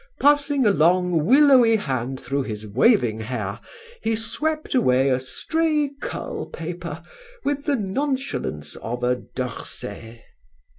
Passing a long willowy hand through his waving hair, he swept away a stray curl paper, with the nonchalance of a D'Orsay.